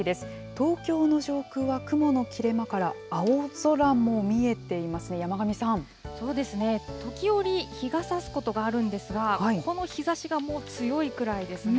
東京の上空は雲の切れ間から青空そうですね、時折、日がさすことがあるんですが、この日ざしがもう強いくらいですね。